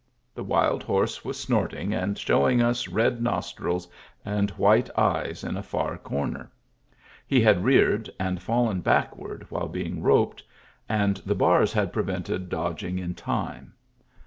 The wild horse was snorting and showing us red nostrils and white eyes in a far comer; he had reared and fallen backward while being roped, and the bars had prevented dodging in time.